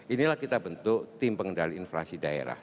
inilah kita bentuk tim pengendali inflasi daerah